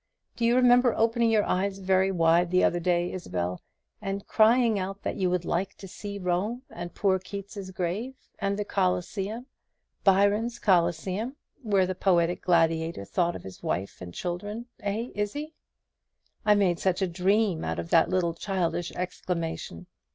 Do you remember opening your eyes very wide the other day, Isabel, and crying out that you would like to see Rome, and poor Keats's grave, and the Colosseum, Byron's Colosseum, where the poetic gladiator thought of his wife and children, eh, Izzie? I made such a dream out of that little childish exclamation.